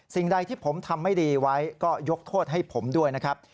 สิ่งใดที่ผมทำไม่ดีไว้ก็ยกโทษให้ผมด้วยนะครับ